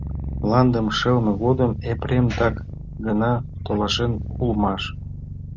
Мландым шелме годым Епрем так гына толашен улмаш.